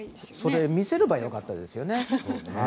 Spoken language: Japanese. それ見せればよかったですね。